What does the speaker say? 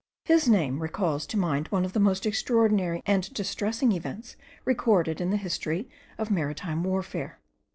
His name recalls to mind one of the most extraordinary and distressing events recorded in the history of maritime warfare.